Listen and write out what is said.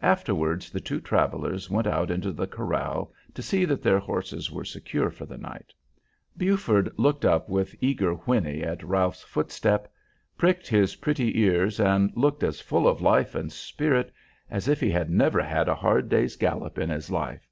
Afterwards the two travellers went out into the corral to see that their horses were secure for the night. Buford looked up with eager whinny at Ralph's footstep, pricked his pretty ears, and looked as full of life and spirit as if he had never had a hard day's gallop in his life.